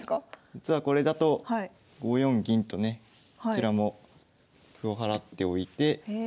実はこれだと５四銀とねこちらも歩を払っておいて。